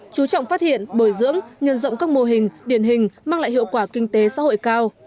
chú trọng phát hiện bồi dưỡng nhân rộng các mô hình điển hình mang lại hiệu quả kinh tế xã hội cao